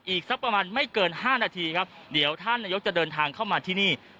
อีกสักประมาณไม่เกิน๕นาทีครับเดี๋ยวท่านนายกจะเดินทางเข้ามาที่นี่